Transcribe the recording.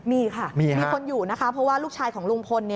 มีค่ะมีคนอยู่นะคะเพราะว่าลูกชายของลุงพล